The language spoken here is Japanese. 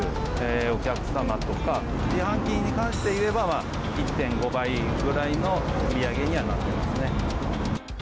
お客様とか、自販機に関していえば、１．５倍ぐらいの売り上げにはなってますね。